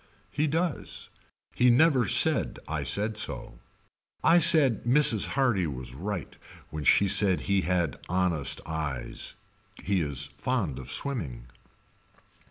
He does. He never said I said so. I said Mrs. Hardy was right when she said he had honest eyes. He is fond of swimming.